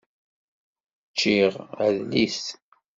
Ččiɣ adlis.